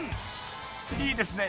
いいですね